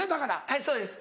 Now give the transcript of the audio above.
はいそうです